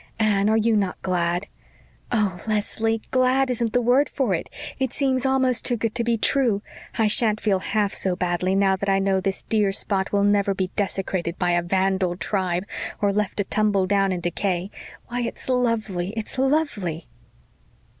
Anne, are you not glad?" "Oh, Leslie, 'glad' isn't the word for it! It seems almost too good to be true. I sha'n't feel half so badly now that I know this dear spot will never be desecrated by a vandal tribe, or left to tumble down in decay. Why, it's lovely! It's lovely!"